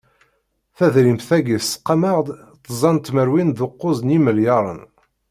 Tadrimit-agi tesqam-aɣ-d tẓa tmerwin d ukkuẓ n yimelyaṛen.